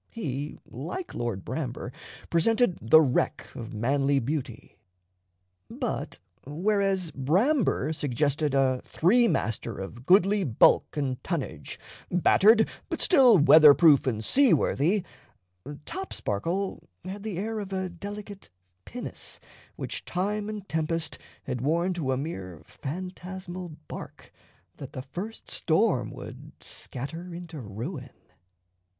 He, like Lord Bramber, presented the wreck of manly beauty; but whereas Bramber suggested a three master of goodly bulk and tonnage, battered but still weather proof and seaworthy, Topsparkle had the air of a delicate pinnace which time and tempest had worn to a mere phantasmal bark that the first storm would scatter into ruin.